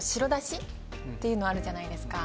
っていうのあるじゃないですか。